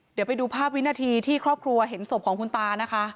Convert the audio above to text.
เดี๋ยวไปดูภาพวินาทีที่ครอบครัวเห็นศพของคุณตานะคะ